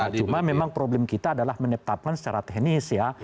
ya cuma memang problem kita adalah menetapkan secara teknis ya